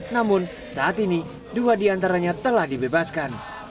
namun saat ini dua di antaranya telah dibebaskan